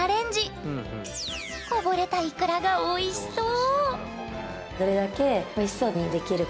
こぼれたイクラがおいしそう！